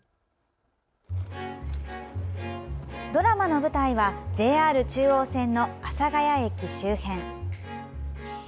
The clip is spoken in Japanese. ドラマの舞台はＪＲ中央線の阿佐ヶ谷駅周辺。